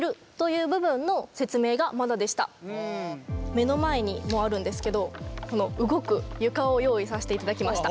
目の前にもうあるんですけどこの動く床を用意させていただきました。